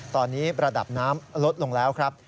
ตอนนี้ระดับน้ำลดลงแล้วครับ